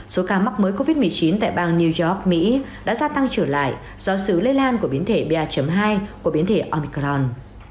số ca mắc mới covid một mươi chín tại bang new york mỹ đã gia tăng trở lại do sự lây lan của biến thể ba hai của biến thể omicron